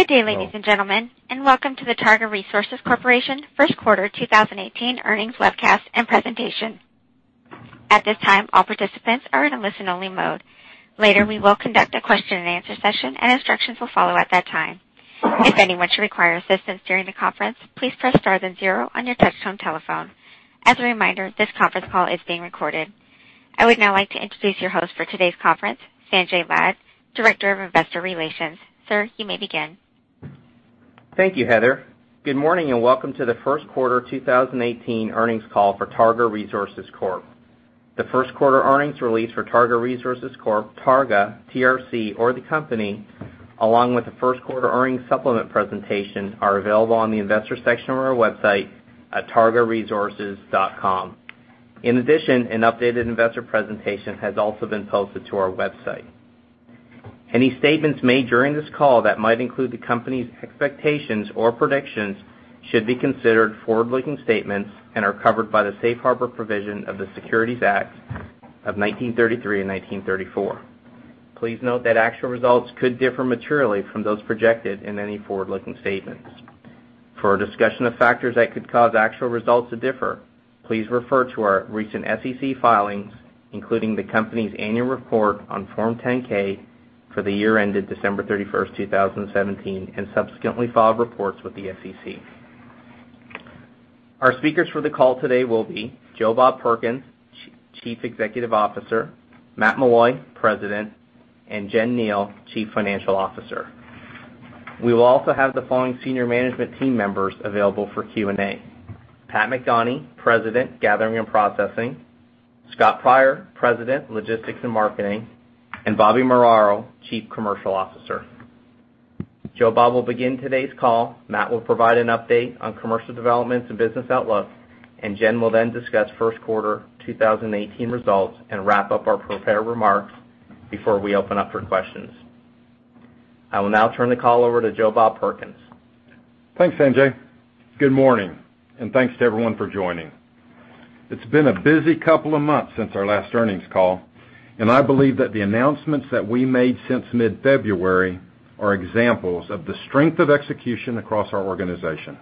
Good day, ladies and gentlemen, and welcome to the Targa Resources Corp. First Quarter 2018 Earnings Webcast and Presentation. At this time, all participants are in a listen-only mode. Later, we will conduct a question and answer session, and instructions will follow at that time. If anyone should require assistance during the conference, please press star then 0 on your touchtone telephone. As a reminder, this conference call is being recorded. I would now like to introduce your host for today's conference, Sanjay Lad, Director of Investor Relations. Sir, you may begin. Thank you, Heather. Good morning, and welcome to the first quarter 2018 earnings call for Targa Resources Corp. The first quarter earnings release for Targa Resources Corp., Targa, TRC, or the company, along with the first-quarter earnings supplement presentation, are available on the investor section of our website at targaresources.com. In addition, an updated investor presentation has also been posted to our website. Any statements made during this call that might include the company's expectations or predictions should be considered forward-looking statements and are covered by the safe harbor provision of the Securities Acts of 1933 and 1934. Please note that actual results could differ materially from those projected in any forward-looking statements. For a discussion of factors that could cause actual results to differ, please refer to our recent SEC filings, including the company's annual report on Form 10-K for the year ended December 31, 2017, and subsequently filed reports with the SEC. Our speakers for the call today will be Joe Bob Perkins, Chief Executive Officer; Matt Meloy, President; and Jen Kneale, Chief Financial Officer. We will also have the following senior management team members available for Q&A: Pat McDonie, President, Gathering and Processing; Scott Pryor, President, Logistics and Marketing; and Bobby Muraro, Chief Commercial Officer. Joe Bob will begin today's call. Matt will provide an update on commercial developments and business outlooks. Jen will then discuss first quarter 2018 results and wrap up our prepared remarks before we open up for questions. I will now turn the call over to Joe Bob Perkins. Thanks, Sanjay. Good morning, and thanks to everyone for joining. It's been a busy couple of months since our last earnings call, and I believe that the announcements that we made since mid-February are examples of the strength of execution across our organization.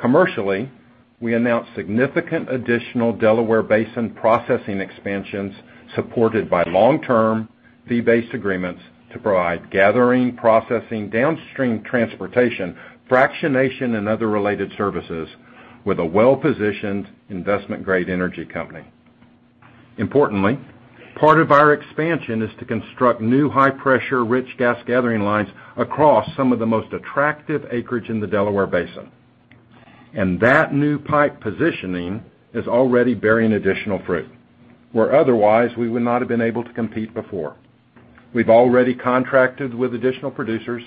Commercially, we announced significant additional Delaware Basin processing expansions supported by long-term fee-based agreements to provide gathering, processing, downstream transportation, fractionation, and other related services with a well-positioned investment-grade energy company. Importantly, part of our expansion is to construct new high-pressure rich gas gathering lines across some of the most attractive acreage in the Delaware Basin. That new pipe positioning is already bearing additional fruit, where otherwise we would not have been able to compete before. We've already contracted with additional producers,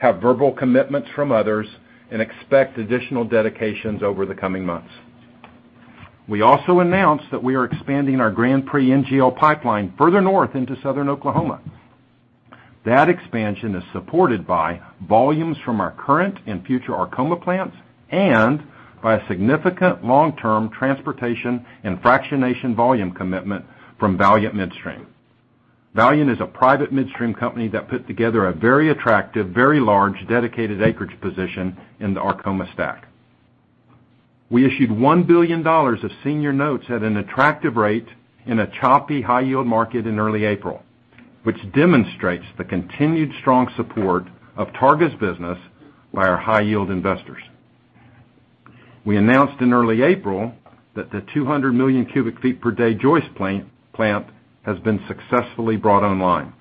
have verbal commitments from others, and expect additional dedications over the coming months. We also announced that we are expanding our Grand Prix NGL pipeline further north into Southern Oklahoma. That expansion is supported by volumes from our current and future Arkoma plants and by a significant long-term transportation and fractionation volume commitment from Valiant Midstream. Valiant is a private midstream company that put together a very attractive, very large dedicated acreage position in the Arkoma stack. We issued $1 billion of senior notes at an attractive rate in a choppy high-yield market in early April, which demonstrates the continued strong support of Targa's business by our high-yield investors. We announced in early April that the 200 million cubic feet per day Joyce plant has been successfully brought online.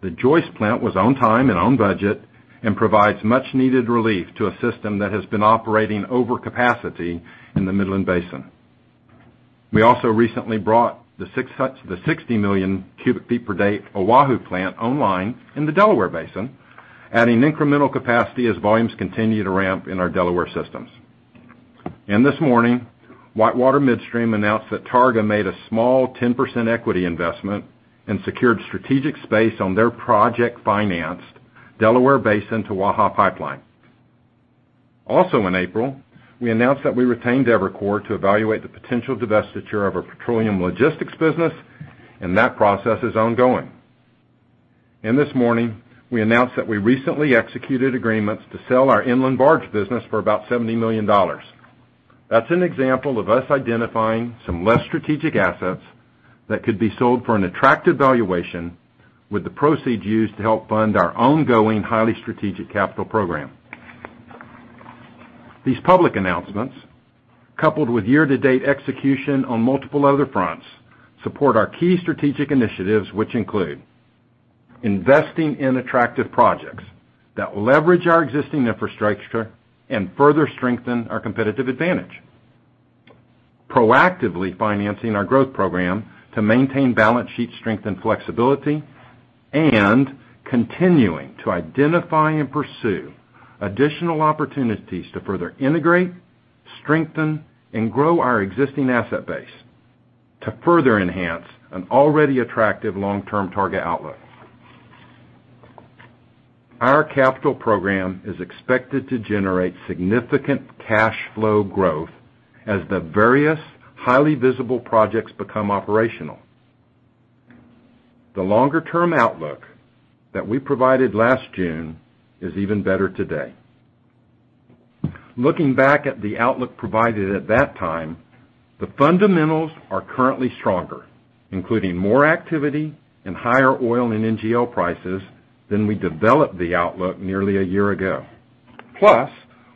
The Joyce plant was on time and on budget and provides much needed relief to a system that has been operating over capacity in the Midland Basin. We also recently brought the 60 million cubic feet per day Wahoo plant online in the Delaware Basin, adding incremental capacity as volumes continue to ramp in our Delaware systems. This morning, WhiteWater Midstream announced that Targa made a small 10% equity investment and secured strategic space on their project-financed Delaware Basin to Waha pipeline. Also in April, we announced that we retained Evercore to evaluate the potential divestiture of our petroleum logistics business, and that process is ongoing. This morning, we announced that we recently executed agreements to sell our inland barge business for about $70 million. That's an example of us identifying some less strategic assets that could be sold for an attractive valuation with the proceeds used to help fund our ongoing highly strategic capital program. These public announcements, coupled with year-to-date execution on multiple other fronts, support our key strategic initiatives which include investing in attractive projects that leverage our existing infrastructure and further strengthen our competitive advantage; proactively financing our growth program to maintain balance sheet strength and flexibility; and continuing to identify and pursue additional opportunities to further integrate, strengthen, and grow our existing asset base to further enhance an already attractive long-term Targa outlook. Our capital program is expected to generate significant cash flow growth as the various highly visible projects become operational. The longer-term outlook that we provided last June is even better today. Looking back at the outlook provided at that time, the fundamentals are currently stronger, including more activity and higher oil and NGL prices than we developed the outlook nearly a year ago.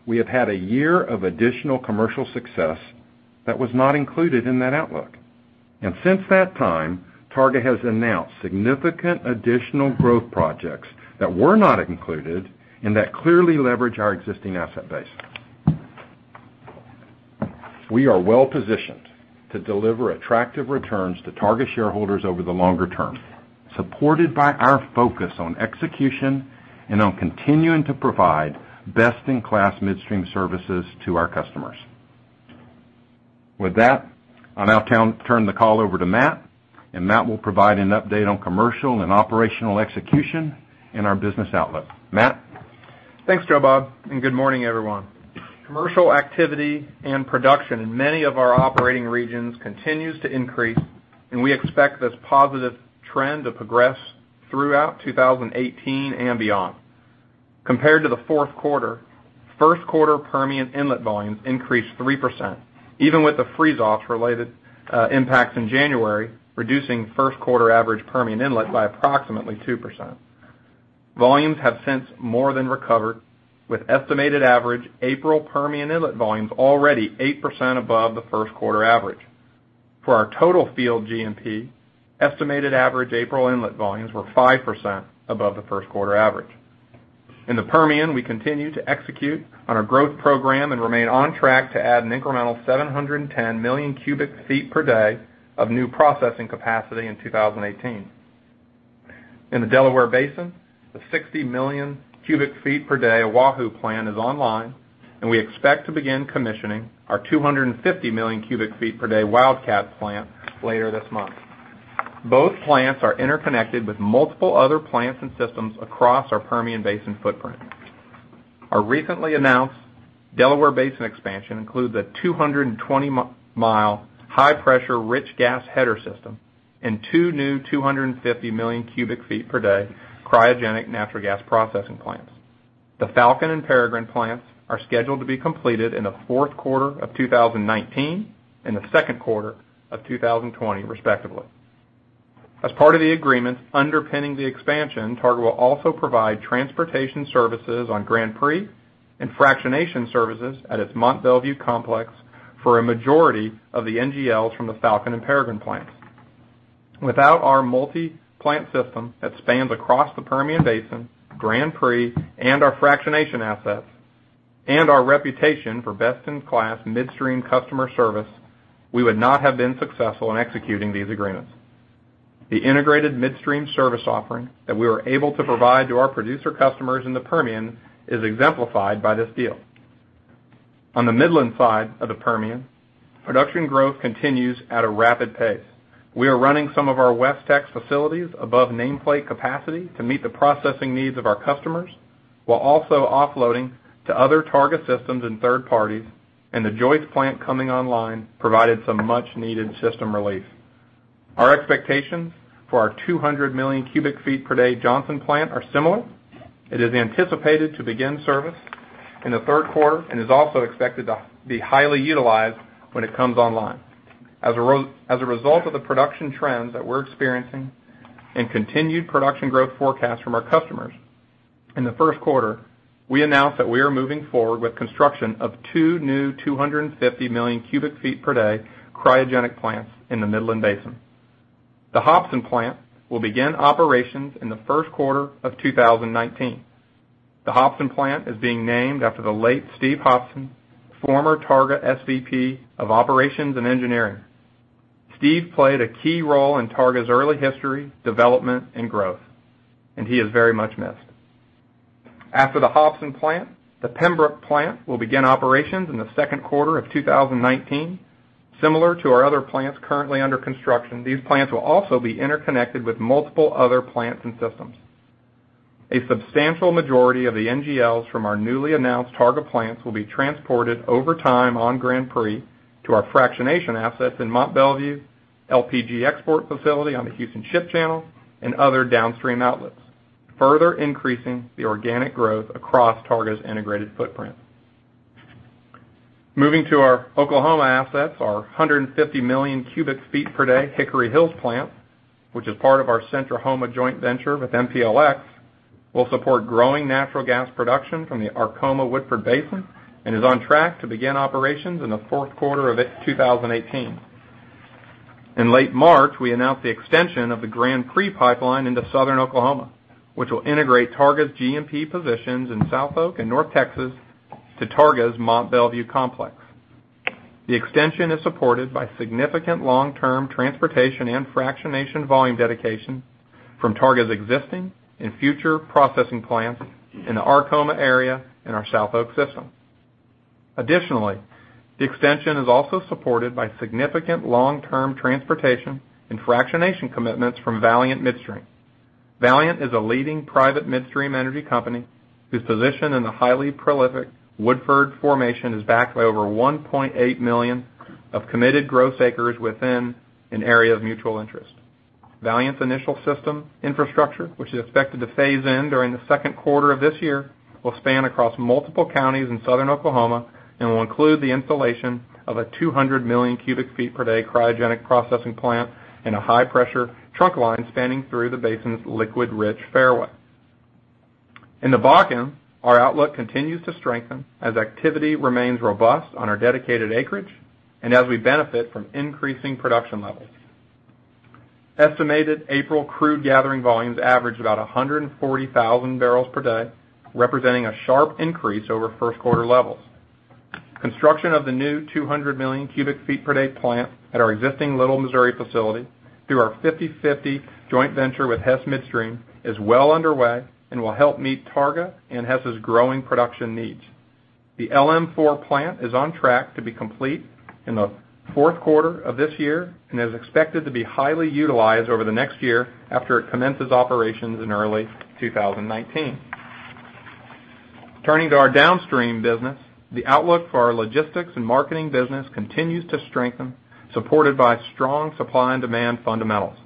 We have had a year of additional commercial success that was not included in that outlook. Since that time, Targa has announced significant additional growth projects that were not included and that clearly leverage our existing asset base. We are well-positioned to deliver attractive returns to Targa shareholders over the longer term, supported by our focus on execution and on continuing to provide best-in-class midstream services to our customers. With that, I'll now turn the call over to Matt, and Matt will provide an update on commercial and operational execution and our business outlook. Matt? Thanks, Joe Bob, and good morning, everyone. Commercial activity and production in many of our operating regions continues to increase, and we expect this positive trend to progress throughout 2018 and beyond. Compared to the fourth quarter, first quarter Permian inlet volumes increased 3%, even with the freeze-off related impacts in January, reducing first-quarter average Permian inlet by approximately 2%. Volumes have since more than recovered with estimated average April Permian inlet volumes already 8% above the first-quarter average. For our total field G&P, estimated average April inlet volumes were 5% above the first-quarter average. In the Permian, we continue to execute on our growth program and remain on track to add an incremental 710 million cubic feet per day of new processing capacity in 2018. In the Delaware Basin, the 60 million cubic feet per day Wahoo plant is online, and we expect to begin commissioning our 250 million cubic feet per day Wildcat plant later this month. Both plants are interconnected with multiple other plants and systems across our Permian Basin footprint. Our recently announced Delaware Basin expansion includes a 220-mile high-pressure rich gas header system and two new 250 million cubic feet per day cryogenic natural gas processing plants. The Falcon and Peregrine plants are scheduled to be completed in the fourth quarter of 2019 and the second quarter of 2020, respectively. As part of the agreement underpinning the expansion, Targa will also provide transportation services on Grand Prix and fractionation services at its Mont Belvieu complex for a majority of the NGLs from the Falcon and Peregrine plants. Without our multi-plant system that spans across the Permian Basin, Grand Prix, and our fractionation assets, and our reputation for best-in-class midstream customer service, we would not have been successful in executing these agreements. The integrated midstream service offering that we were able to provide to our producer customers in the Permian is exemplified by this deal. On the Midland side of the Permian, production growth continues at a rapid pace. We are running some of our WestTX facilities above nameplate capacity to meet the processing needs of our customers while also offloading to other Targa systems and third parties, and the Joyce plant coming online provided some much-needed system relief. Our expectations for our 200 million cubic feet per day Johnson plant are similar. It is anticipated to begin service in the third quarter and is also expected to be highly utilized when it comes online. As a result of the production trends that we're experiencing and continued production growth forecast from our customers, in the first quarter, we announced that we are moving forward with construction of two new 250 million cubic feet per day cryogenic plants in the Midland Basin. The Hobson plant will begin operations in the first quarter of 2019. The Hobson plant is being named after the late Steve Hobson, former Targa SVP of Operations and Engineering. Steve played a key role in Targa's early history, development, and growth, and he is very much missed. After the Hobson plant, the Pembrook plant will begin operations in the second quarter of 2019. Similar to our other plants currently under construction, these plants will also be interconnected with multiple other plants and systems. A substantial majority of the NGLs from our newly announced Targa plants will be transported over time on Grand Prix to our fractionation assets in Mont Belvieu, LPG export facility on the Houston Ship Channel, and other downstream outlets, further increasing the organic growth across Targa's integrated footprint. Moving to our Oklahoma assets, our 150 million cubic feet per day Hickory Hills plant, which is part of our Centrahoma joint venture with MPLX, will support growing natural gas production from the Arkoma Woodford Basin and is on track to begin operations in the fourth quarter of 2018. In late March, we announced the extension of the Grand Prix pipeline into Southern Oklahoma, which will integrate Targa's GMP positions in South Oak and North Texas to Targa's Mont Belvieu complex. The extension is supported by significant long-term transportation and fractionation volume dedication from Targa's existing and future processing plants in the Arkoma area and our South Oak system. Additionally, the extension is also supported by significant long-term transportation and fractionation commitments from Valiant Midstream. Valiant is a leading private midstream energy company whose position in the highly prolific Woodford formation is backed by over 1.8 million of committed gross acres within an area of mutual interest. Valiant's initial system infrastructure, which is expected to phase in during the second quarter of this year, will span across multiple counties in Southern Oklahoma and will include the installation of a 200 million cubic feet per day cryogenic processing plant and a high-pressure trunk line spanning through the basin's liquid-rich fairway. In the Bakken, our outlook continues to strengthen as activity remains robust on our dedicated acreage and as we benefit from increasing production levels. Estimated April crude gathering volumes average about 140,000 barrels per day, representing a sharp increase over first quarter levels. Construction of the new 200 million cubic feet per day plant at our existing Little Missouri facility through our 50/50 joint venture with Hess Midstream is well underway and will help meet Targa and Hess' growing production needs. The LM4 plant is on track to be complete in the fourth quarter of this year and is expected to be highly utilized over the next year after it commences operations in early 2019. Turning to our downstream business, the outlook for our logistics and marketing business continues to strengthen, supported by strong supply and demand fundamentals.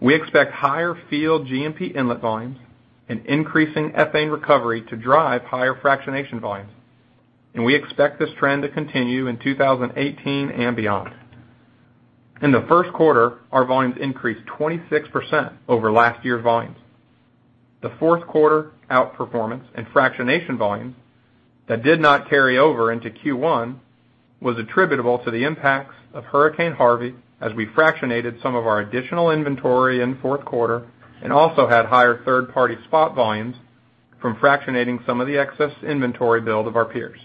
We expect higher field GMP inlet volumes and increasing ethane recovery to drive higher fractionation volumes. We expect this trend to continue in 2018 and beyond. In the first quarter, our volumes increased 26% over last year's volumes. The fourth quarter outperformance in fractionation volumes that did not carry over into Q1 was attributable to the impacts of Hurricane Harvey, as we fractionated some of our additional inventory in the fourth quarter and also had higher third-party spot volumes from fractionating some of the excess inventory build of our peers.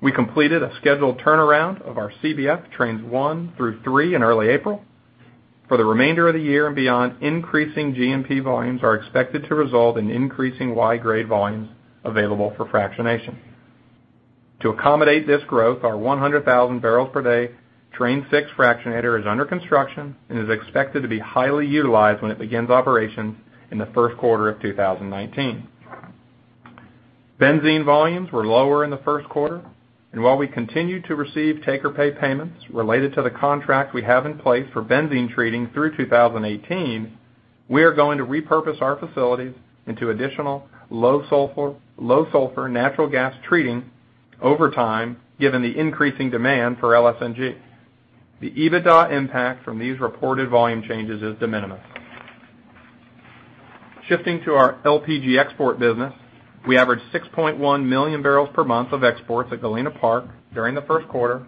We completed a scheduled turnaround of our CBF trains 1 through 3 in early April. For the remainder of the year and beyond, increasing GMP volumes are expected to result in increasing Y-grade volumes available for fractionation. To accommodate this growth, our 100,000 barrels per day Train 6 fractionator is under construction and is expected to be highly utilized when it begins operations in the first quarter of 2019. Benzene volumes were lower in the first quarter, and while we continue to receive take-or-pay payments related to the contract we have in place for benzene treating through 2018, we are going to repurpose our facilities into additional low sulfur natural gas treating over time, given the increasing demand for LSNG. The EBITDA impact from these reported volume changes is de minimis. Shifting to our LPG export business, we averaged 6.1 million barrels per month of exports at Galena Park during the first quarter.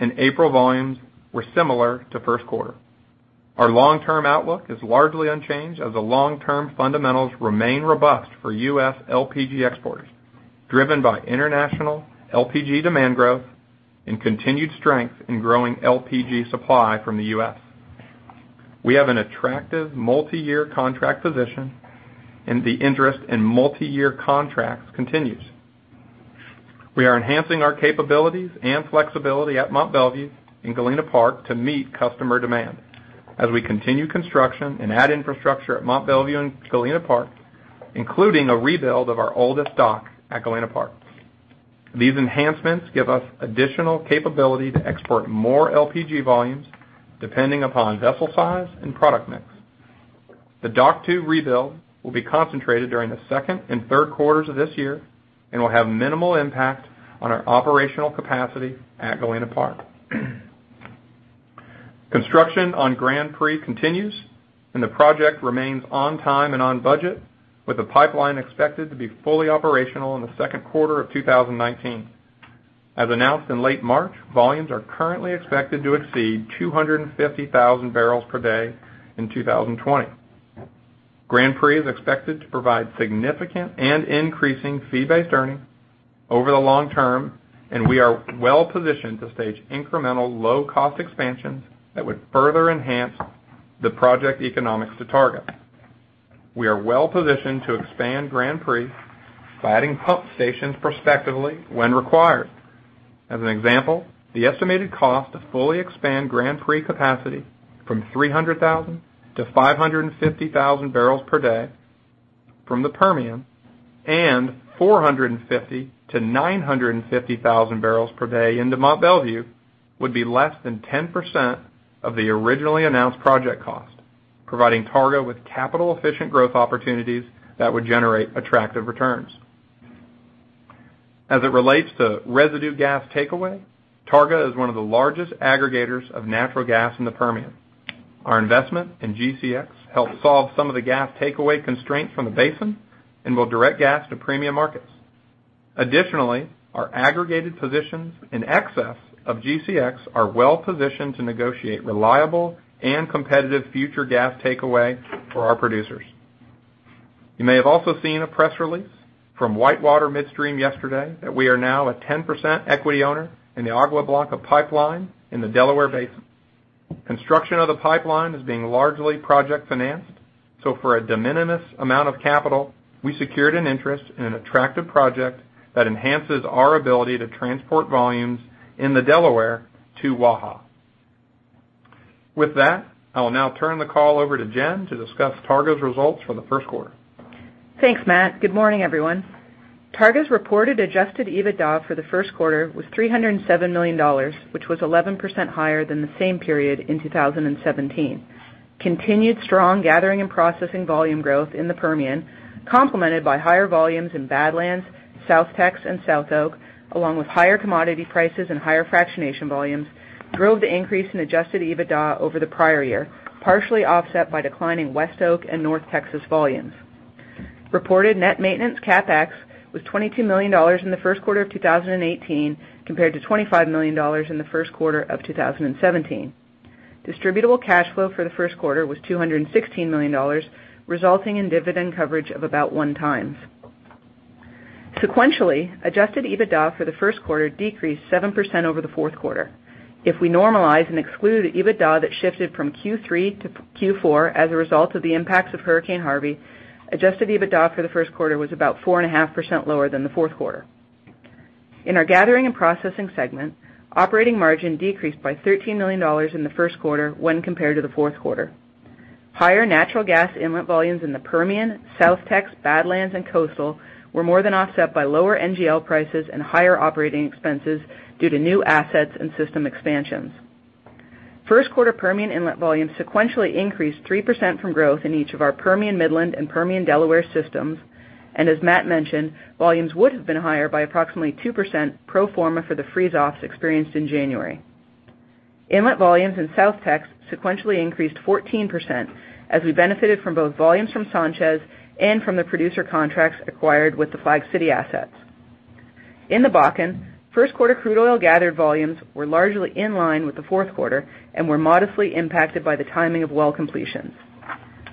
April volumes were similar to the first quarter. Our long-term outlook is largely unchanged as the long-term fundamentals remain robust for U.S. LPG exports, driven by international LPG demand growth and continued strength in growing LPG supply from the U.S. We have an attractive multi-year contract position. The interest in multi-year contracts continues. We are enhancing our capabilities and flexibility at Mont Belvieu in Galena Park to meet customer demand as we continue construction and add infrastructure at Mont Belvieu and Galena Park, including a rebuild of our oldest dock at Galena Park. These enhancements give us additional capability to export more LPG volumes depending upon vessel size and product mix. The Dock 2 rebuild will be concentrated during the second and third quarters of this year and will have minimal impact on our operational capacity at Galena Park. Construction on Grand Prix continues. The project remains on time and on budget, with the pipeline expected to be fully operational in the second quarter of 2019. As announced in late March, volumes are currently expected to exceed 250,000 barrels per day in 2020. Grand Prix is expected to provide significant and increasing fee-based earnings over the long term, and we are well-positioned to stage incremental low-cost expansions that would further enhance the project economics to Targa. We are well-positioned to expand Grand Prix by adding pump stations prospectively when required. As an example, the estimated cost to fully expand Grand Prix capacity from 300,000 to 550,000 barrels per day from the Permian and 450,000 to 950,000 barrels per day into Mont Belvieu would be less than 10% of the originally announced project cost, providing Targa with capital-efficient growth opportunities that would generate attractive returns. As it relates to residue gas takeaway, Targa is one of the largest aggregators of natural gas in the Permian. Our investment in GCX helped solve some of the gas takeaway constraints from the basin and will direct gas to premium markets. Our aggregated positions in excess of GCX are well-positioned to negotiate reliable and competitive future gas takeaway for our producers. You may have also seen a press release from WhiteWater Midstream yesterday that we are now a 10% equity owner in the Agua Blanca Pipeline in the Delaware Basin. Construction of the pipeline is being largely project financed. For a de minimis amount of capital, we secured an interest in an attractive project that enhances our ability to transport volumes in the Delaware to Waha. With that, I will now turn the call over to Jen to discuss Targa's results for the first quarter. Thanks, Matt. Good morning, everyone. Targa's reported adjusted EBITDA for the first quarter was $307 million, which was 11% higher than the same period in 2017. Continued strong gathering and processing volume growth in the Permian, complemented by higher volumes in Badlands, South Texas, and South Oak, along with higher commodity prices and higher fractionation volumes, drove the increase in adjusted EBITDA over the prior year, partially offset by declining West Oak and North Texas volumes. Reported net maintenance CapEx was $22 million in the first quarter of 2018, compared to $25 million in the first quarter of 2017. Distributable cash flow for the first quarter was $216 million, resulting in dividend coverage of about one times. Sequentially, adjusted EBITDA for the first quarter decreased 7% over the fourth quarter. If we normalize and exclude the EBITDA that shifted from Q3 to Q4 as a result of the impacts of Hurricane Harvey, adjusted EBITDA for the first quarter was about 4.5% lower than the fourth quarter. In our Gathering and Processing segment, operating margin decreased by $13 million in the first quarter when compared to the fourth quarter. Higher natural gas inlet volumes in the Permian, South Texas, Badlands, and Coastal were more than offset by lower NGL prices and higher operating expenses due to new assets and system expansions. First quarter Permian inlet volumes sequentially increased 3% from growth in each of our Permian Midland and Permian Delaware systems. As Matt mentioned, volumes would have been higher by approximately 2% pro forma for the freeze-offs experienced in January. Inlet volumes in South Texas sequentially increased 14% as we benefited from both volumes from Sanchez and from the producer contracts acquired with the Flag City assets. In the Bakken, first quarter crude oil gathered volumes were largely in line with the fourth quarter and were modestly impacted by the timing of well completions.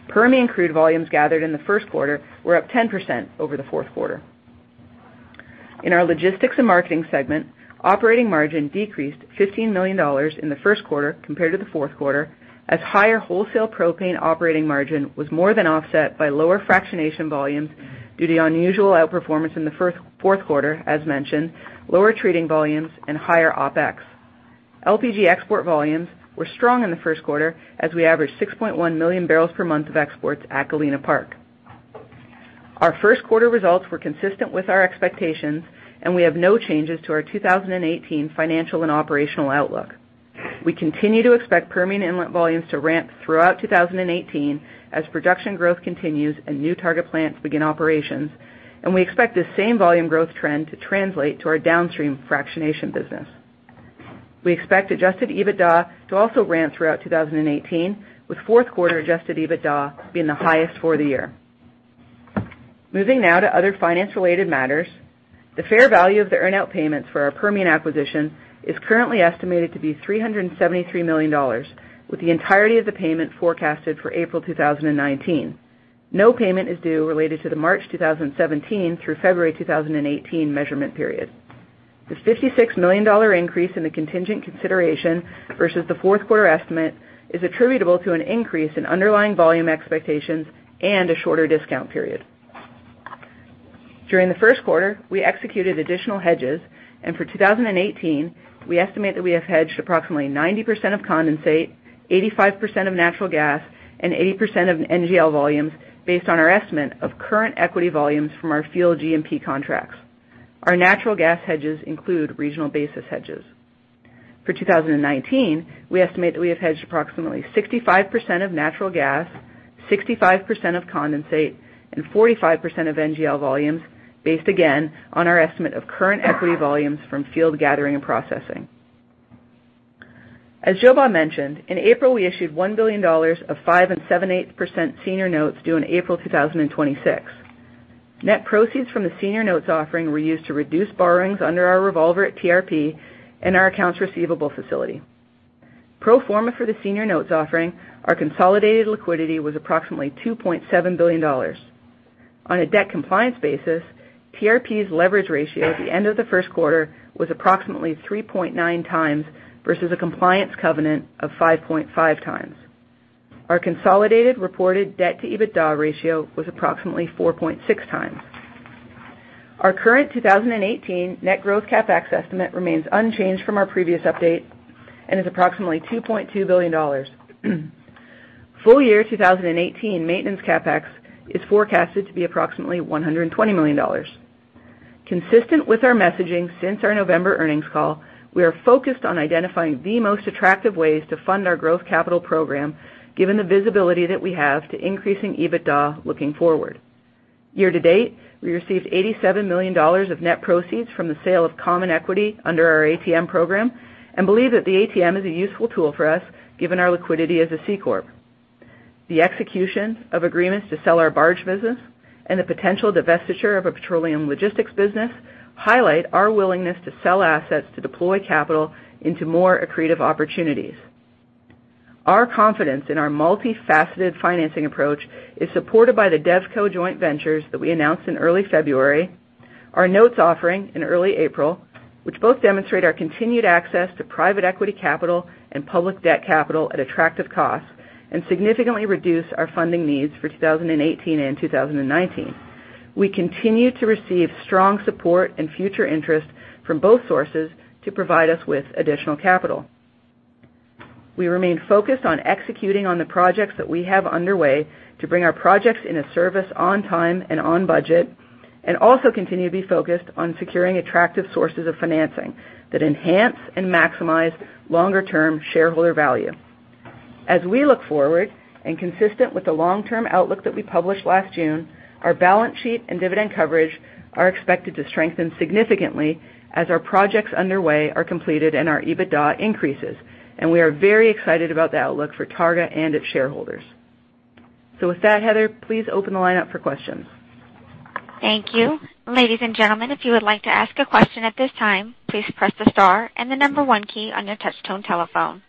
Permian crude volumes gathered in the first quarter were up 10% over the fourth quarter. In our Logistics and Marketing segment, operating margin decreased $15 million in the first quarter compared to the fourth quarter, as higher wholesale propane operating margin was more than offset by lower fractionation volumes due to unusual outperformance in the fourth quarter, as mentioned, lower treating volumes, and higher OpEx. LPG export volumes were strong in the first quarter as we averaged 6.1 million barrels per month of exports at Galena Park. Our first quarter results were consistent with our expectations. We have no changes to our 2018 financial and operational outlook. We continue to expect Permian inlet volumes to ramp throughout 2018 as production growth continues and new Targa plants begin operations. We expect the same volume growth trend to translate to our downstream fractionation business. We expect adjusted EBITDA to also ramp throughout 2018, with fourth quarter adjusted EBITDA being the highest for the year. Moving now to other finance-related matters. The fair value of the earn out payments for our Permian acquisition is currently estimated to be $373 million, with the entirety of the payment forecasted for April 2019. No payment is due related to the March 2017 through February 2018 measurement period. The $56 million increase in the contingent consideration versus the fourth quarter estimate is attributable to an increase in underlying volume expectations and a shorter discount period. During the first quarter, we executed additional hedges, and for 2018, we estimate that we have hedged approximately 90% of condensate, 85% of natural gas, and 80% of NGL volumes based on our estimate of current equity volumes from our field G&P contracts. Our natural gas hedges include regional basis hedges. For 2019, we estimate that we have hedged approximately 65% of natural gas, 65% of condensate, and 45% of NGL volumes, based again on our estimate of current equity volumes from field gathering and processing. As Joe Bob mentioned, in April, we issued $1 billion of 5% and 7/8% senior notes due in April 2026. Net proceeds from the senior notes offering were used to reduce borrowings under our revolver at TRP and our accounts receivable facility. Pro forma for the senior notes offering, our consolidated liquidity was approximately $2.7 billion. On a debt compliance basis, TRP's leverage ratio at the end of the first quarter was approximately 3.9 times, versus a compliance covenant of 5.5 times. Our consolidated reported debt to EBITDA ratio was approximately 4.6 times. Our current 2018 net growth CapEx estimate remains unchanged from our previous update and is approximately $2.2 billion. Full year 2018 maintenance CapEx is forecasted to be approximately $120 million. Consistent with our messaging since our November earnings call, we are focused on identifying the most attractive ways to fund our growth capital program, given the visibility that we have to increasing EBITDA looking forward. Year to date, we received $87 million of net proceeds from the sale of common equity under our ATM program and believe that the ATM is a useful tool for us, given our liquidity as a C corp. The execution of agreements to sell our barge business and the potential divestiture of a petroleum logistics business highlight our willingness to sell assets to deploy capital into more accretive opportunities. Our confidence in our multifaceted financing approach is supported by the DevCo joint ventures that we announced in early February Our notes offering in early April, which both demonstrate our continued access to private equity capital and public debt capital at attractive costs and significantly reduce our funding needs for 2018 and 2019. We continue to receive strong support and future interest from both sources to provide us with additional capital. We remain focused on executing on the projects that we have underway to bring our projects in a service on time and on budget, and also continue to be focused on securing attractive sources of financing that enhance and maximize longer-term shareholder value. As we look forward and consistent with the long-term outlook that we published last June, our balance sheet and dividend coverage are expected to strengthen significantly as our projects underway are completed and our EBITDA increases. We are very excited about the outlook for Targa and its shareholders. with that, Heather, please open the line up for questions. Thank you. Ladies and gentlemen, if you would like to ask a question at this time, please press the star and the number 1 key on your touch-tone telephone.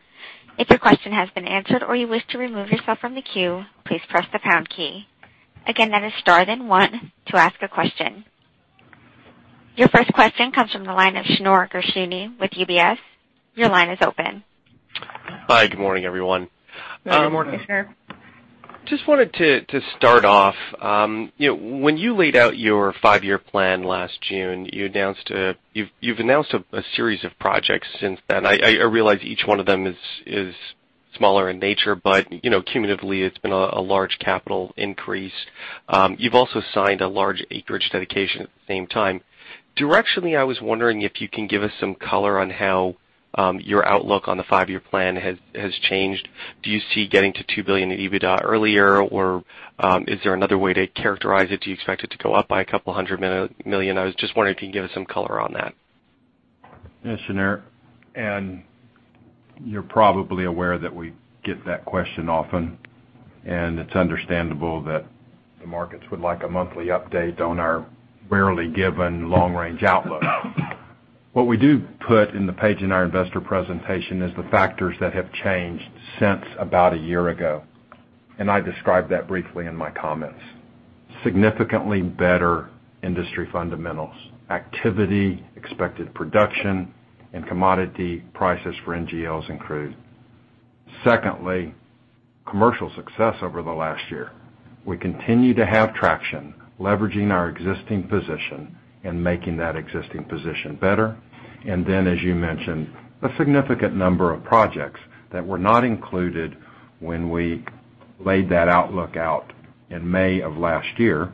If your question has been answered or you wish to remove yourself from the queue, please press the pound key. Again, that is star then one to ask a question. Your first question comes from the line of Shneur Gershuni with UBS. Your line is open. Hi, good morning, everyone. Good morning. Good morning, Shneur. Just wanted to start off. When you laid out your five-year plan last June, you've announced a series of projects since then. I realize each one of them is smaller in nature, but cumulatively it's been a large capital increase. You've also signed a large acreage dedication at the same time. Directionally, I was wondering if you can give us some color on how your outlook on the five-year plan has changed. Do you see getting to $2 billion in EBITDA earlier, or is there another way to characterize it? Do you expect it to go up by a couple hundred million? I was just wondering if you can give us some color on that. Yes, Shneur. You're probably aware that we get that question often, and it's understandable that the markets would like a monthly update on our rarely given long-range outlook. I described that briefly in my comments. What we do put in the page in our investor presentation is the factors that have changed since about a year ago. Significantly better industry fundamentals, activity, expected production, and commodity prices for NGLs and crude. Secondly, commercial success over the last year. We continue to have traction, leveraging our existing position and making that existing position better. Then, as you mentioned, a significant number of projects that were not included when we laid that outlook out in May of last year.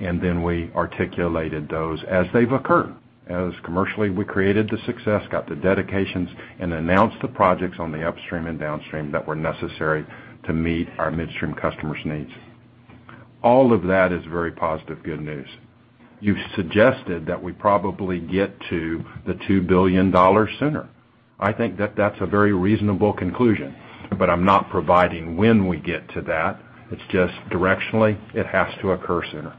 We articulated those as they've occurred. As commercially, we created the success, got the dedications, and announced the projects on the upstream and downstream that were necessary to meet our midstream customers' needs. All of that is very positive good news. You suggested that we probably get to the $2 billion sooner. I think that's a very reasonable conclusion, but I'm not providing when we get to that. It's just directionally, it has to occur sooner.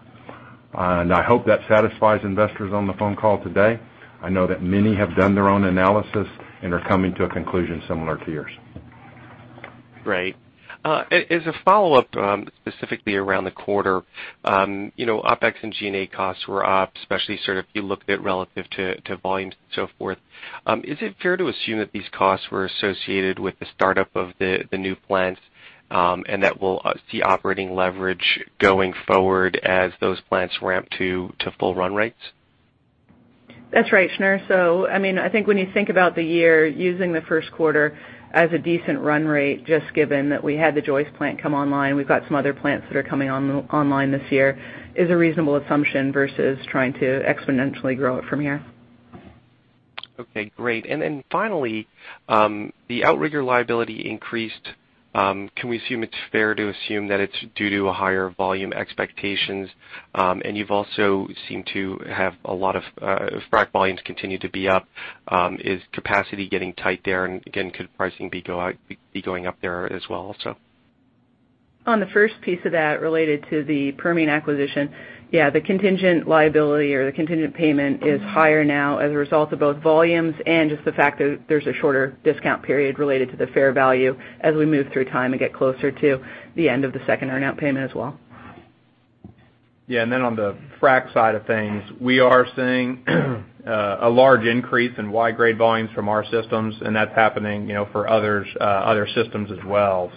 I hope that satisfies investors on the phone call today. I know that many have done their own analysis and are coming to a conclusion similar to yours. Great. As a follow-up, specifically around the quarter, OpEx and G&A costs were up, especially if you looked at relative to volumes and so forth. Is it fair to assume that these costs were associated with the startup of the new plants, and that we'll see operating leverage going forward as those plants ramp to full run rates? That's right, Shneur. I think when you think about the year, using the first quarter as a decent run rate, just given that we had the Joyce plant come online, we've got some other plants that are coming online this year, is a reasonable assumption versus trying to exponentially grow it from here. Okay, great. Finally, the Outrigger liability increased. Can we assume it's fair to assume that it's due to higher volume expectations? You've also seemed to have a lot of frack volumes continue to be up. Is capacity getting tight there? Could pricing be going up there as well also? On the first piece of that related to the Permian acquisition, yeah, the contingent liability or the contingent payment is higher now as a result of both volumes and just the fact that there's a shorter discount period related to the fair value as we move through time and get closer to the end of the second earn-out payment as well. Yeah, on the frack side of things, we are seeing a large increase in Y-grade volumes from our systems, and that's happening for other systems as well.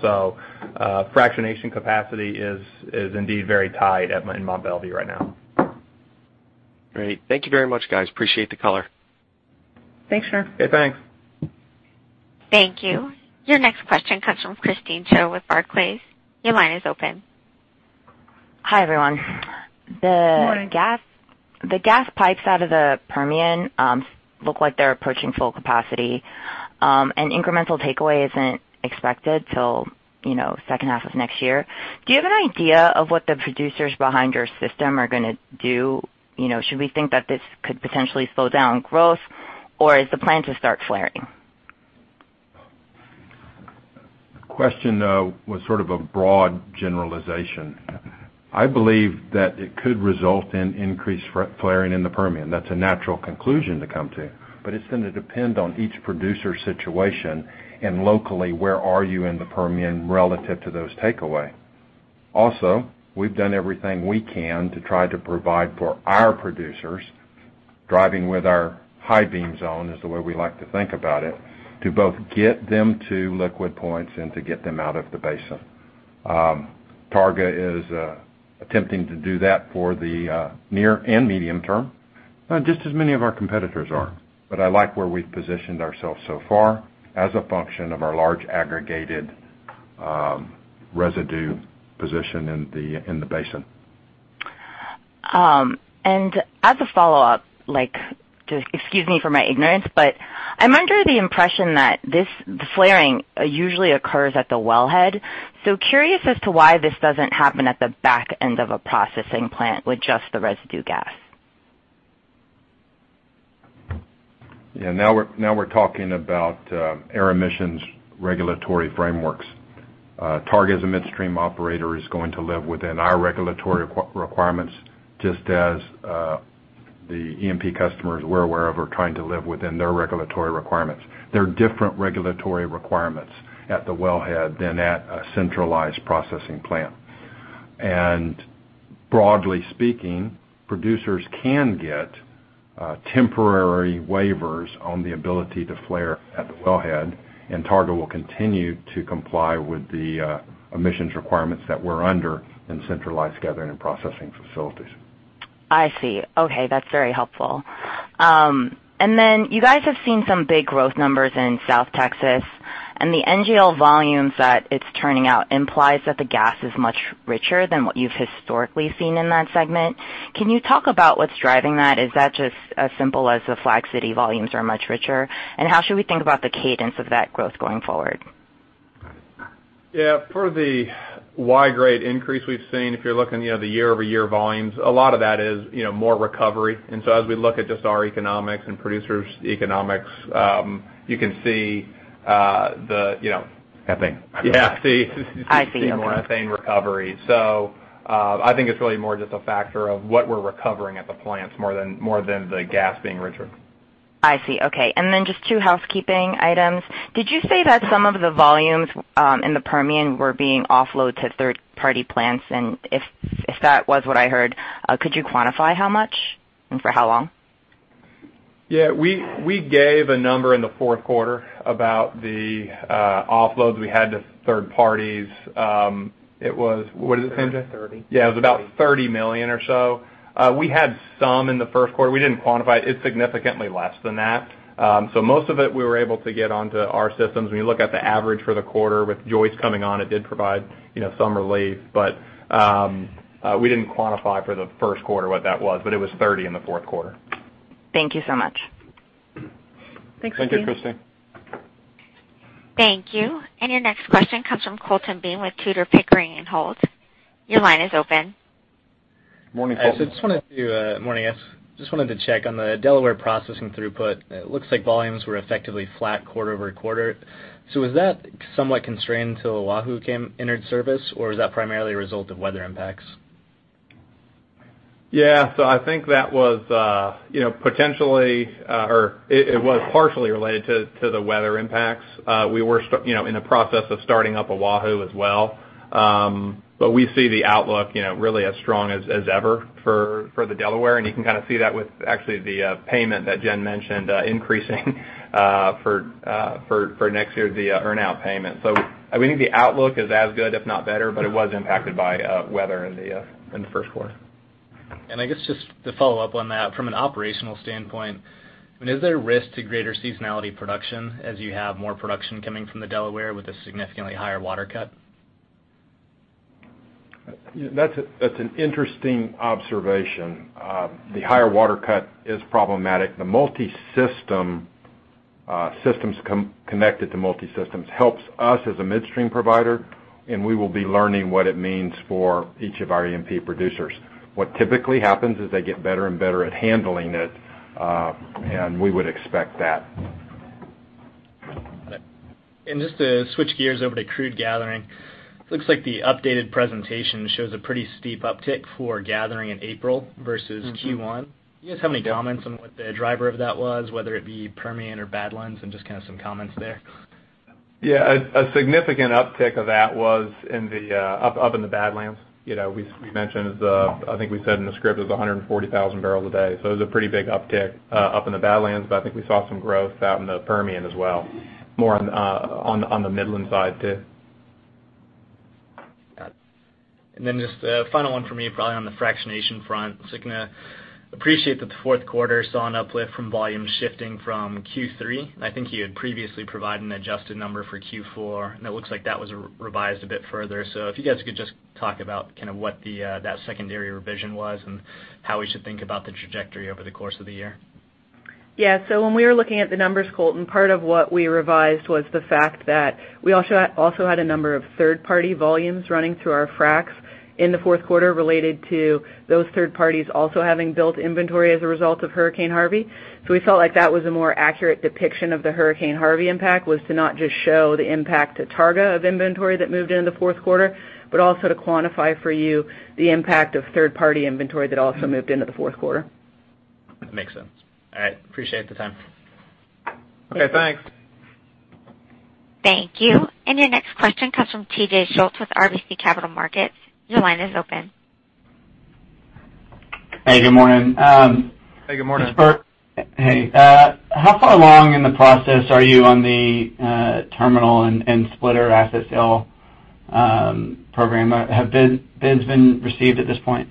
Fractionation capacity is indeed very tight in Mont Belvieu right now. Great. Thank you very much, guys. Appreciate the color. Thanks, Shneur. Okay, thanks. Thank you. Your next question comes from Christine Cho with Barclays. Your line is open. Hi, everyone. Good morning. The gas pipes out of the Permian look like they're approaching full capacity. Incremental takeaway isn't expected till second half of next year. Do you have an idea of what the producers behind your system are going to do? Should we think that this could potentially slow down growth? Is the plan to start flaring? The question was sort of a broad generalization. I believe that it could result in increased flaring in the Permian. That's a natural conclusion to come to. It's going to depend on each producer's situation and locally, where are you in the Permian relative to those takeaway? Also, we've done everything we can to try to provide for our producers, driving with our high-beam zone is the way we like to think about it, to both get them to liquid points and to get them out of the basin. Targa is attempting to do that for the near and medium term, just as many of our competitors are. I like where we've positioned ourselves so far as a function of our large aggregated residue position in the basin. As a follow-up, excuse me for my ignorance, I'm under the impression that this flaring usually occurs at the wellhead. Curious as to why this doesn't happen at the back end of a processing plant with just the residue gas. Now we're talking about air emissions regulatory frameworks. Targa, as a midstream operator, is going to live within our regulatory requirements just as the E&P customers we're aware of are trying to live within their regulatory requirements. There are different regulatory requirements at the wellhead than at a centralized processing plant. Broadly speaking, producers can get temporary waivers on the ability to flare at the wellhead, and Targa will continue to comply with the emissions requirements that we're under in centralized gathering and processing facilities. I see. Okay. That's very helpful. You guys have seen some big growth numbers in South Texas, and the NGL volumes that it's turning out implies that the gas is much richer than what you've historically seen in that segment. Can you talk about what's driving that? Is that just as simple as the Flag City volumes are much richer, how should we think about the cadence of that growth going forward? Yeah. For the Y-grade increase we've seen, if you're looking the year-over-year volumes, a lot of that is more recovery. As we look at just our economics and producers' economics, you can see. Ethane. Yeah. I see. You see more ethane recovery. I think it's really more just a factor of what we're recovering at the plants more than the gas being richer. I see. Okay. Just two housekeeping items. Did you say that some of the volumes in the Permian were being offload to third-party plants? If that was what I heard, could you quantify how much and for how long? Yeah. We gave a number in the fourth quarter about the offloads we had to third parties. What did it say, Jen? Thirty. Yeah, it was about $30 million or so. We had some in the first quarter. We didn't quantify it. It's significantly less than that. Most of it, we were able to get onto our systems. When you look at the average for the quarter with Joyce coming on, it did provide some relief, we didn't quantify for the first quarter what that was, but it was $30 in the fourth quarter. Thank you so much. Thank you, Christie. Thank you. Your next question comes from Colton Bean with Tudor, Pickering, and Holt. Your line is open. Morning, Colton. Morning, guys. Just wanted to check on the Delaware processing throughput. It looks like volumes were effectively flat quarter-over-quarter. Was that somewhat constrained till Wahoo entered service, or is that primarily a result of weather impacts? Yeah. I think that was partially related to the weather impacts. We were in the process of starting up Wahoo as well. We see the outlook really as strong as ever for the Delaware, and you can kind of see that with actually the payment that Jen mentioned increasing for next year, the earn-out payment. We think the outlook is as good, if not better, but it was impacted by weather in the first quarter. I guess just to follow up on that, from an operational standpoint, is there a risk to greater seasonality production as you have more production coming from the Delaware with a significantly higher water cut? That's an interesting observation. The higher water cut is problematic. Systems connected to multi-systems helps us as a midstream provider, and we will be learning what it means for each of our E&P producers. What typically happens is they get better and better at handling it, and we would expect that. Just to switch gears over to crude gathering. Looks like the updated presentation shows a pretty steep uptick for gathering in April versus Q1. Do you guys have any comments on what the driver of that was, whether it be Permian or Badlands, and just kind of some comments there? Yeah. A significant uptick of that was up in the Badlands. We mentioned, I think we said in the script, it was 140,000 barrels a day. It was a pretty big uptick up in the Badlands, but I think we saw some growth out in the Permian as well, more on the Midland side, too. Got it. Just a final one for me, probably on the fractionation front. Just looking to appreciate that the fourth quarter saw an uplift from volume shifting from Q3. I think you had previously provided an adjusted number for Q4, and it looks like that was revised a bit further. If you guys could just talk about what that secondary revision was and how we should think about the trajectory over the course of the year. Yeah. When we were looking at the numbers, Colton, part of what we revised was the fact that we also had a number of third-party volumes running through our fracs in the fourth quarter related to those third parties also having built inventory as a result of Hurricane Harvey. We felt like that was a more accurate depiction of the Hurricane Harvey impact, was to not just show the impact to Targa of inventory that moved into the fourth quarter, but also to quantify for you the impact of third-party inventory that also moved into the fourth quarter. Makes sense. All right. Appreciate the time. Okay, thanks. Thank you. Your next question comes from TJ Schultz with RBC Capital Markets. Your line is open. Hey, good morning. Hey, good morning. Hey. How far along in the process are you on the terminal and splitter asset sale program? Have bids been received at this point?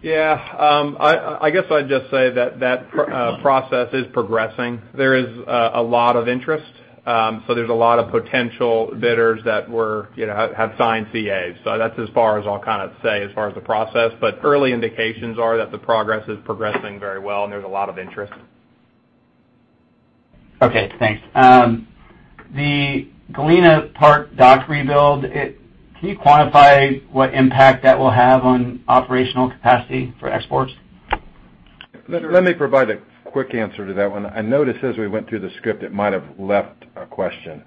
Yeah. I guess I'd just say that process is progressing. There is a lot of interest. There's a lot of potential bidders that have signed CAs. That's as far as I'll say as far as the process. Early indications are that the progress is progressing very well, and there's a lot of interest. Okay, thanks. The Galena Park dock rebuild, can you quantify what impact that will have on operational capacity for exports? Let me provide a quick answer to that one. I noticed as we went through the script, it might have left a question.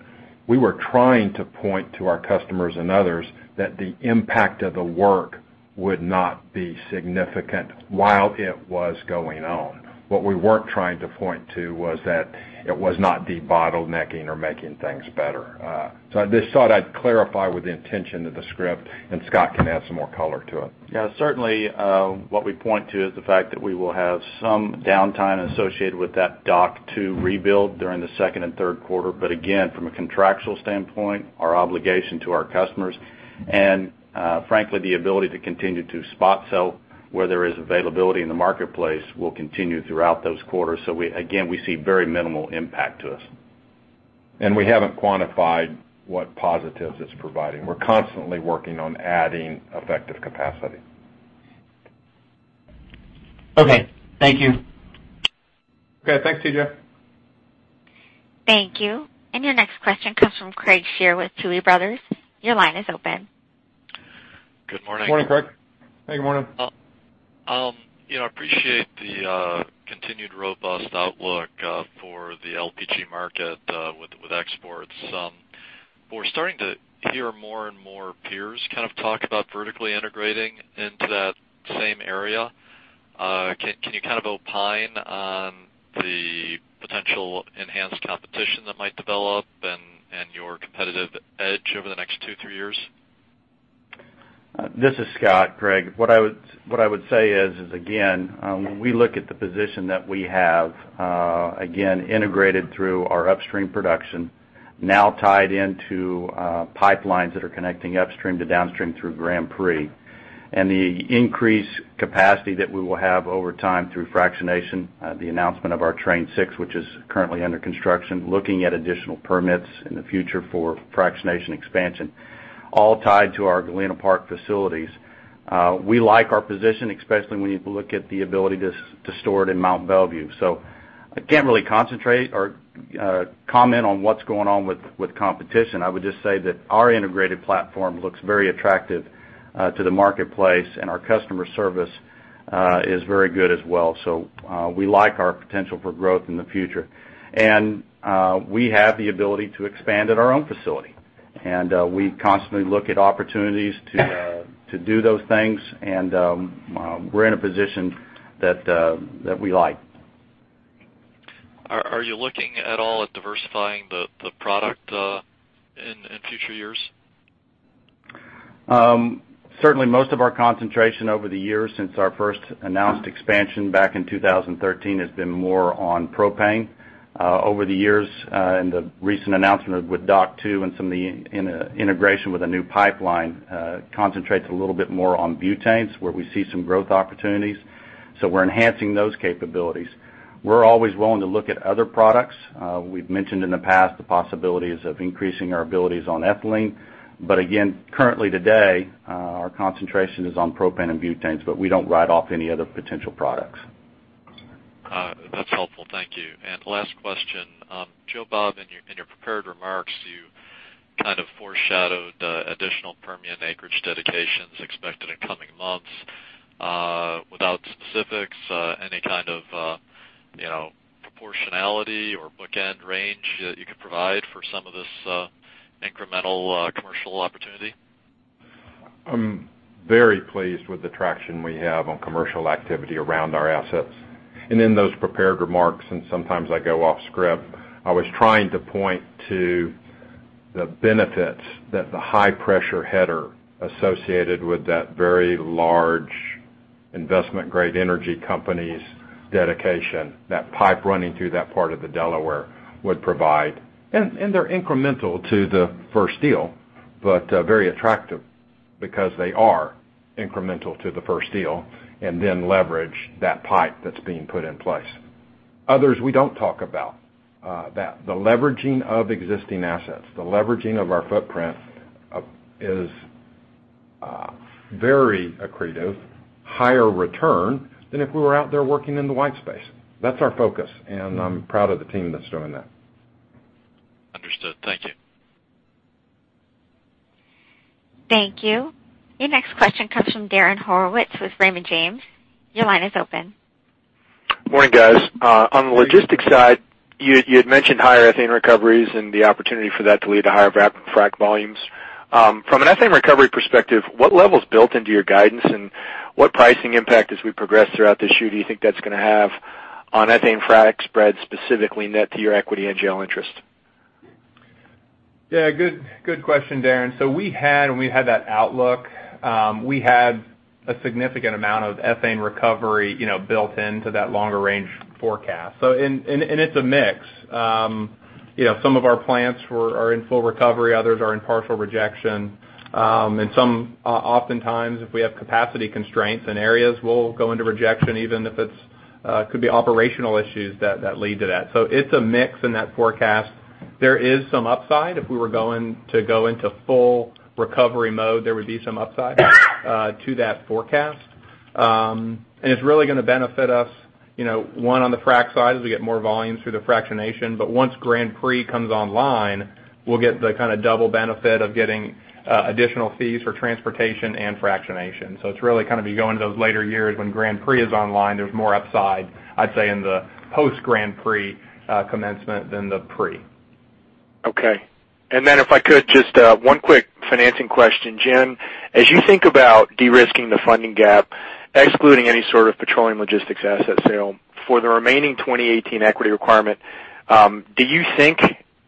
We were trying to point to our customers and others that the impact of the work would not be significant while it was going on. What we weren't trying to point to was that it was not de-bottlenecking or making things better. I just thought I'd clarify with the intention of the script, and Scott can add some more color to it. Yeah, certainly, what we point to is the fact that we will have some downtime associated with that dock to rebuild during the second and third quarter. Again, from a contractual standpoint, our obligation to our customers, and frankly, the ability to continue to spot sell where there is availability in the marketplace will continue throughout those quarters. Again, we see very minimal impact to us. We have not quantified what positives it's providing. We are constantly working on adding effective capacity. Okay, thank you. Okay. Thanks, TJ. Thank you. Your next question comes from Craig Shere with Tuohy Brothers. Your line is open. Good morning. Morning, Craig. Hey, good morning. I appreciate the continued robust outlook for the LPG market with exports. We're starting to hear more and more peers talk about vertically integrating into that same area. Can you opine on the potential enhanced competition that might develop and your competitive edge over the next two, three years? This is Scott, Craig. What I would say is again, when we look at the position that we have, again, integrated through our upstream production, now tied into pipelines that are connecting upstream to downstream through Grand Prix, and the increased capacity that we will have over time through fractionation, the announcement of our Train 6, which is currently under construction, looking at additional permits in the future for fractionation expansion, all tied to our Galena Park facilities. We like our position, especially when you look at the ability to store it in Mont Belvieu. I can't really concentrate or comment on what's going on with competition. I would just say that our integrated platform looks very attractive to the marketplace, and our customer service is very good as well. We like our potential for growth in the future. We have the ability to expand at our own facility. We constantly look at opportunities to do those things. We're in a position that we like. Are you looking at all at diversifying the product in future years? Certainly, most of our concentration over the years since our first announced expansion back in 2013 has been more on propane. Over the years, and the recent announcement with Dock 2 and some of the integration with a new pipeline concentrates a little bit more on butanes, where we see some growth opportunities. We're enhancing those capabilities. We're always willing to look at other products. We've mentioned in the past the possibilities of increasing our abilities on ethylene. Again, currently today, our concentration is on propane and butanes, but we don't write off any other potential products. That's helpful. Thank you. Last question. Joe Bob, in your prepared remarks, you foreshadowed additional Permian acreage dedications expected in coming months. Without specifics, any kind of proportionality or bookend range that you could provide for some of this incremental commercial opportunity? I'm very pleased with the traction we have on commercial activity around our assets. In those prepared remarks, and sometimes I go off script, I was trying to point to the benefits that the high-pressure header associated with that very large investment-grade energy company's dedication, that pipe running through that part of the Delaware would provide. They're incremental to the first deal, very attractive because they are incremental to the first deal, leverage that pipe that's being put in place. Others, we don't talk about. The leveraging of existing assets, the leveraging of our footprint is very accretive, higher return than if we were out there working in the white space. That's our focus, and I'm proud of the team that's doing that. Understood. Thank you. Thank you. Your next question comes from Darren Horowitz with Raymond James. Your line is open. Morning, guys. On the logistics side, you had mentioned higher ethane recoveries and the opportunity for that to lead to higher frac volumes. From an ethane recovery perspective, what level's built into your guidance and what pricing impact as we progress throughout this year do you think that's going to have on ethane frac spreads, specifically net to your equity and NGL interest? Yeah. Good question, Darren. When we had that outlook, we had a significant amount of ethane recovery built into that longer range forecast. It's a mix. Some of our plants are in full recovery, others are in partial rejection. Some, oftentimes, if we have capacity constraints in areas, we'll go into rejection, even if it could be operational issues that lead to that. It's a mix in that forecast. There is some upside. If we were to go into full recovery mode, there would be some upside to that forecast. It's really going to benefit us, one, on the frac side as we get more volume through the fractionation. Once Grand Prix comes online, we'll get the kind of double benefit of getting additional fees for transportation and fractionation. It's really kind of you go into those later years when Grand Prix is online, there's more upside, I'd say, in the post Grand Prix commencement than the pre. Okay. If I could, just one quick financing question. Jen, as you think about de-risking the funding gap, excluding any sort of petroleum logistics asset sale, for the remaining 2018 equity requirement, do you think,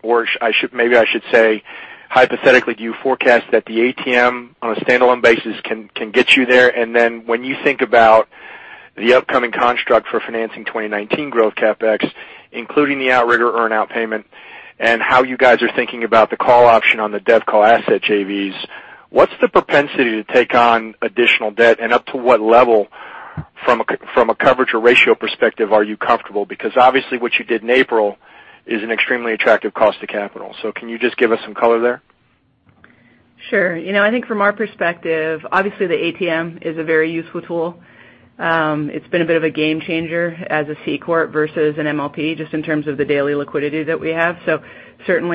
or maybe I should say hypothetically, do you forecast that the ATM on a standalone basis can get you there? When you think about the upcoming construct for financing 2019 growth CapEx, including the Outrigger earn-out payment and how you guys are thinking about the call option on the DevCo asset JVs, what's the propensity to take on additional debt, and up to what level from a coverage or ratio perspective are you comfortable? Because obviously what you did in April is an extremely attractive cost to capital. Can you just give us some color there? Sure. Certainly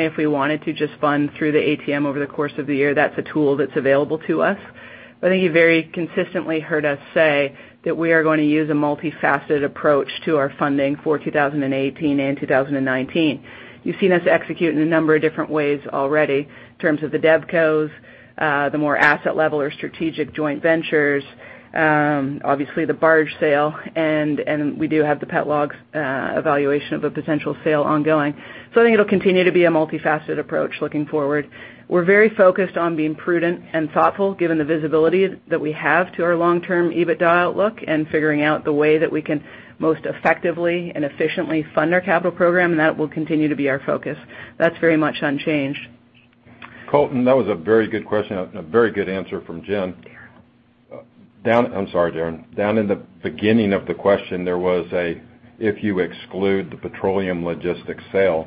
if we wanted to just fund through the ATM over the course of the year, that's a tool that's available to us. I think you very consistently heard us say that we are going to use a multifaceted approach to our funding for 2018 and 2019. You've seen us execute in a number of different ways already in terms of the devcos, the more asset level or strategic joint ventures. Obviously, the barge sale, and we do have the petroleum logistics evaluation of a potential sale ongoing. I think it'll continue to be a multifaceted approach looking forward. We're very focused on being prudent and thoughtful given the visibility that we have to our long-term EBITDA outlook and figuring out the way that we can most effectively and efficiently fund our capital program. That will continue to be our focus. That's very much unchanged. Colton, that was a very good question and a very good answer from Jen. Darren. I'm sorry, Darren. Down in the beginning of the question, there was a, "If you exclude the petroleum logistics sale."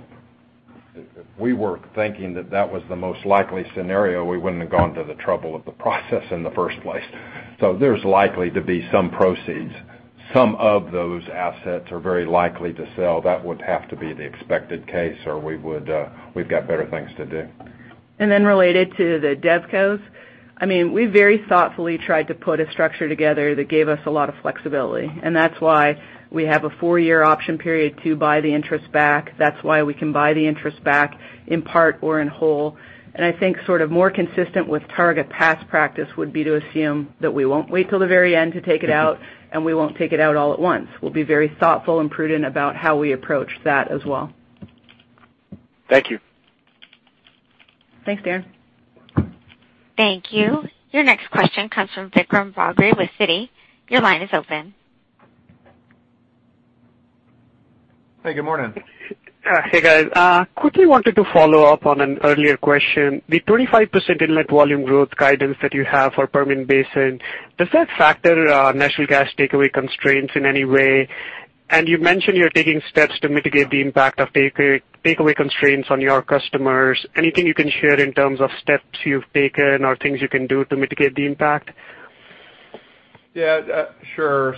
If we were thinking that that was the most likely scenario, we wouldn't have gone to the trouble of the process in the first place. There's likely to be some proceeds. Some of those assets are very likely to sell. That would have to be the expected case, or we've got better things to do. Related to the devcos, we very thoughtfully tried to put a structure together that gave us a lot of flexibility, and that's why we have a four-year option period to buy the interest back. That's why we can buy the interest back in part or in whole. I think sort of more consistent with Targa past practice would be to assume that we won't wait till the very end to take it out, and we won't take it out all at once. We'll be very thoughtful and prudent about how we approach that as well. Thank you. Thanks, Darren. Thank you. Your next question comes from Vikram Bagri with Citi. Your line is open. Hey, good morning. Hey, guys. Quickly wanted to follow up on an earlier question. The 25% inlet volume growth guidance that you have for Permian Basin, does that factor natural gas takeaway constraints in any way? You mentioned you're taking steps to mitigate the impact of takeaway constraints on your customers. Anything you can share in terms of steps you've taken or things you can do to mitigate the impact? Yeah. Sure.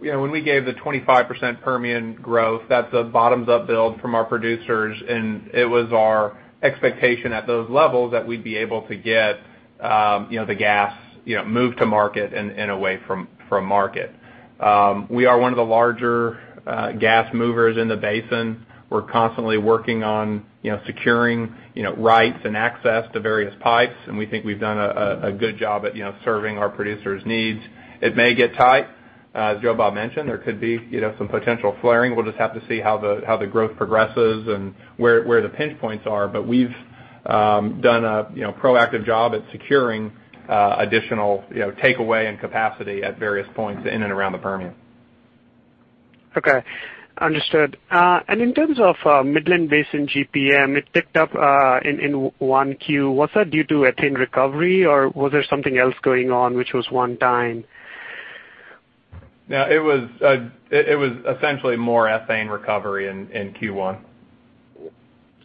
When we gave the 25% Permian growth, that's a bottoms-up build from our producers, and it was our expectation at those levels that we'd be able to get the gas moved to market and away from market. We are one of the larger gas movers in the basin. We're constantly working on securing rights and access to various pipes, and we think we've done a good job at serving our producers' needs. It may get tight. As Joe Bob mentioned, there could be some potential flaring. We'll just have to see how the growth progresses and where the pinch points are. We've done a proactive job at securing additional takeaway and capacity at various points in and around the Permian. Okay. Understood. In terms of Midland Basin GPM, it ticked up in one Q. Was that due to ethane recovery, or was there something else going on which was one time? No, it was essentially more ethane recovery in Q1. Okay.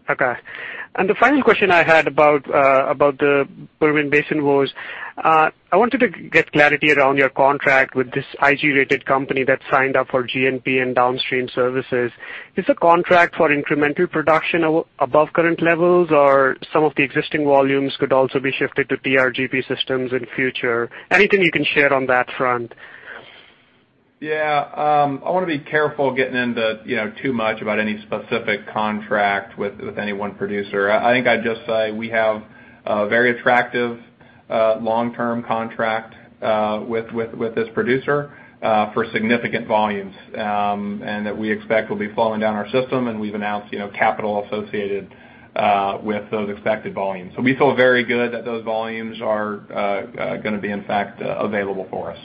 The final question I had about the Permian Basin was, I wanted to get clarity around your contract with this IG-rated company that signed up for G&P and downstream services. Is the contract for incremental production above current levels, or some of the existing volumes could also be shifted to TRGP systems in future? Anything you can share on that front? Yeah. I want to be careful getting into too much about any specific contract with any one producer. I think I'd just say we have a very attractive long-term contract with this producer for significant volumes, and that we expect will be flowing down our system, and we've announced capital associated with those expected volumes. We feel very good that those volumes are going to be, in fact, available for us.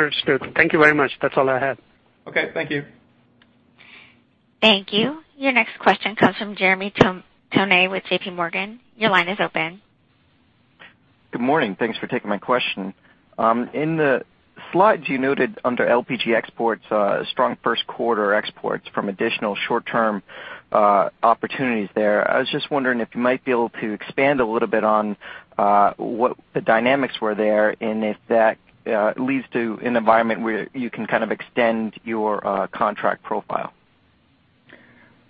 Understood. Thank you very much. That's all I had. Okay. Thank you. Thank you. Your next question comes from Jeremy Tonet with JPMorgan. Your line is open. Good morning. Thanks for taking my question. In the slides you noted under LPG exports, strong first quarter exports from additional short-term opportunities there. I was just wondering if you might be able to expand a little bit on what the dynamics were there and if that leads to an environment where you can kind of extend your contract profile?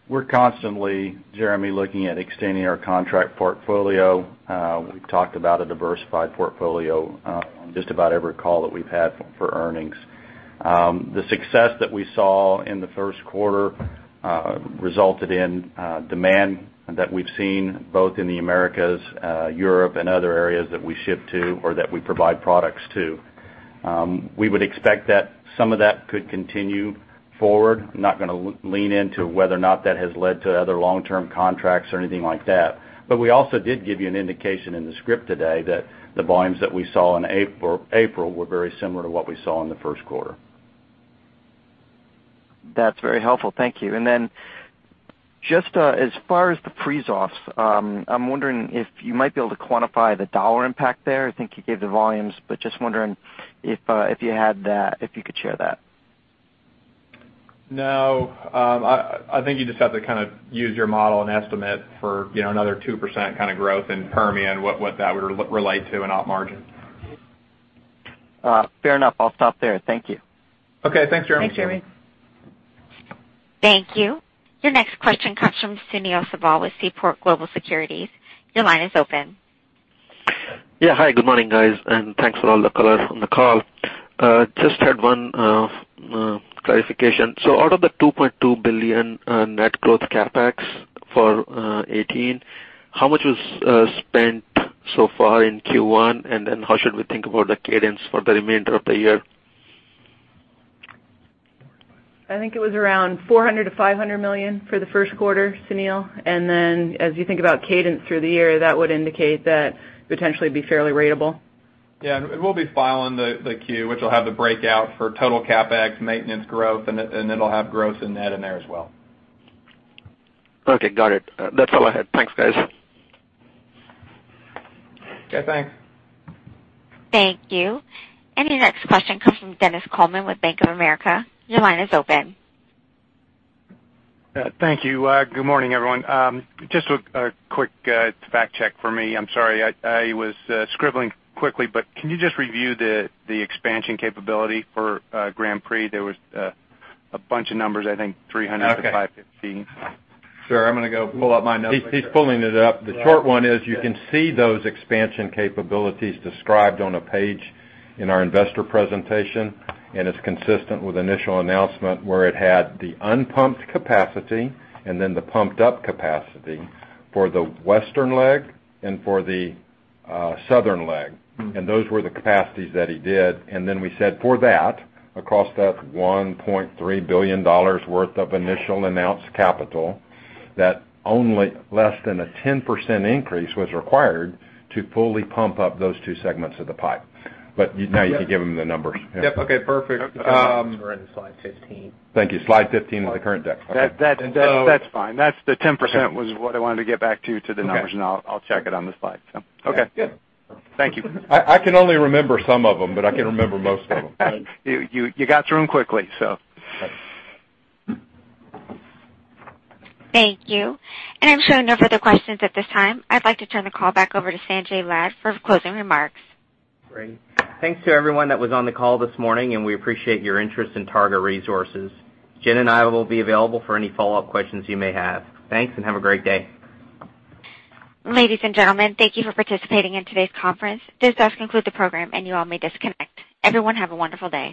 We're constantly, Jeremy, looking at extending our contract portfolio. We've talked about a diversified portfolio on just about every call that we've had for earnings. The success that we saw in the first quarter resulted in demand that we've seen both in the Americas, Europe, and other areas that we ship to or that we provide products to. We would expect that some of that could continue forward. I'm not going to lean into whether or not that has led to other long-term contracts or anything like that. We also did give you an indication in the script today that the volumes that we saw in April were very similar to what we saw in the first quarter. That's very helpful. Thank you. Just as far as the freeze-offs, I'm wondering if you might be able to quantify the dollar impact there. I think you gave the volumes, but just wondering if you had that, if you could share that. No. I think you just have to kind of use your model and estimate for another 2% kind of growth in Permian, what that would relate to in op margin. Fair enough. I'll stop there. Thank you. Okay, thanks, Jeremy. Thanks, Jeremy. Thank you. Your next question comes from Sunil Sibal with Seaport Global Securities. Your line is open. Hi, good morning, guys, and thanks for all the color on the call. Just had one clarification. Out of the $2.2 billion net growth CapEx for 2018, how much was spent so far in Q1? How should we think about the cadence for the remainder of the year? I think it was around $400 million to $500 million for the first quarter, Sunil. As you think about cadence through the year, that would indicate that potentially it'd be fairly ratable. Yeah. We'll be filing the Q, which will have the breakout for total CapEx, maintenance growth, and it'll have growth and net in there as well. Okay, got it. That's all I had. Thanks, guys. Okay, thanks. Thank you. Your next question comes from Dennis Coleman with Bank of America. Your line is open. Thank you. Good morning, everyone. Just a quick fact check for me. I'm sorry, I was scribbling quickly, can you just review the expansion capability for Grand Prix? There was a bunch of numbers, I think 300 to 550. Sure. I'm gonna go pull up my notes right here. He's pulling it up. The short one is you can see those expansion capabilities described on a page in our investor presentation, it's consistent with initial announcement where it had the unpumped capacity and then the pumped-up capacity for the western leg and for the southern leg. Those were the capacities that he did. Then we said for that, across that $1.3 billion worth of initial announced capital, that only less than a 10% increase was required to fully pump up those two segments of the pipe. Now you can give him the numbers. Yep. Okay, perfect. They're in slide 15. Thank you. Slide 15 of the current deck. Okay. That's fine. That's the 10% was what I wanted to get back to you to the numbers now. I'll check it on the slide. Okay. Yeah. Thank you. I can only remember some of them, but I can remember most of them. You got through them quickly. Right. Thank you. I'm showing no further questions at this time. I'd like to turn the call back over to Sanjay Lad for closing remarks. Great. Thanks to everyone that was on the call this morning, and we appreciate your interest in Targa Resources. Jen and I will be available for any follow-up questions you may have. Thanks, and have a great day. Ladies and gentlemen, thank you for participating in today's conference. This does conclude the program and you all may disconnect. Everyone have a wonderful day.